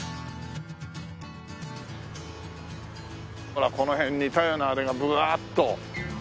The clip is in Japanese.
ほらこの辺に太陽のあれがぶわーっと。